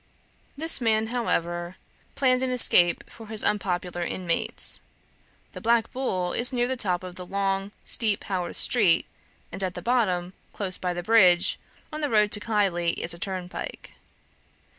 This man, however, planned an escape for his unpopular inmates. The Black Bull is near the top of the long, steep Haworth street, and at the bottom, close by the bridge, on the road to Keighley, is a turnpike.